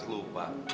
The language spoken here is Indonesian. aku bisa makan sendiri